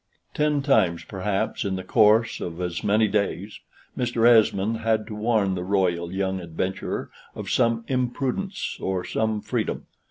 Ten times, perhaps, in the course of as many days, Mr. Esmond had to warn the royal young adventurer of some imprudence or some freedom.